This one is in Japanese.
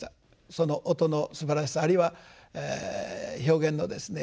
その音のすばらしさあるいは表現のですね